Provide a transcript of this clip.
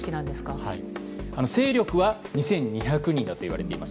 勢力は２２００人だといわれています。